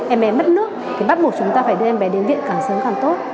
em bé mất nước thì bắt buộc chúng ta phải đưa em bé đến viện càng sớm càng tốt